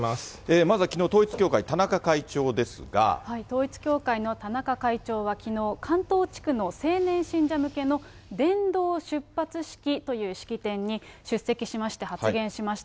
まずはきのう、統一教会、田統一教会の田中会長はきのう、関東地区の青年信者向けの伝道出発式という式典に出席しまして、発言しました。